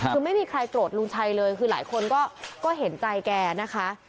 คือไม่มีใครโกรธลุงชัยเลยคือหลายคนก็เห็นใจแกนะคะ